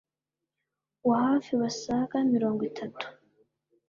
wa hafi basaga mirongo itatu.